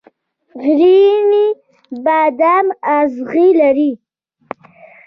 غرنی بادام اغزي لري؟